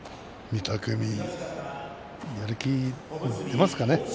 御嶽海、やる気出ますかね。